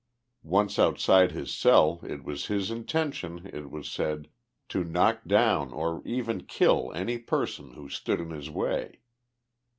Once out side his cell it was his intention, it was said, to knock down, or even kill, any person, who stood in his way.